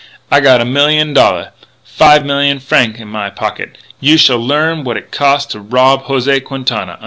I got a million dollaire five million franc in my pocket. You shall learn what it cost to rob José Quintana!